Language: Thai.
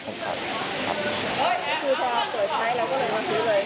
น่าจะ๑๒๐๐บาทแล้วก็เลยมาเสริมเลย